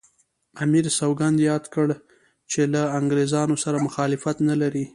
امیر سوګند یاد کړ چې له انګریزانو سره مخالفت نه لري.